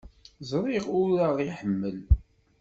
Ẓriɣ ur aɣ-iḥemmel.